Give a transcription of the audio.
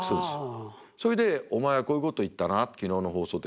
それで「お前はこういうこと言ったな昨日の放送で」。